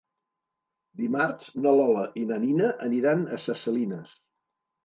Dimarts na Lola i na Nina aniran a Ses Salines.